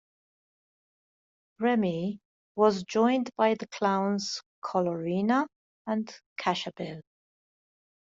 "Remi" was joined by the clowns "Colorina" and "Cascabel".